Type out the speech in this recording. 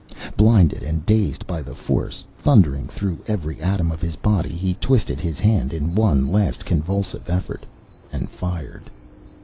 Blinded and dazed by the force thundering through every atom of his body, he twisted his hand in one last, convulsive effort, and fired.